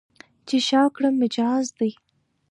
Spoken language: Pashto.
چې شا کړم، مجاز دی.